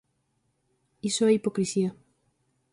Iso é hipocrisía.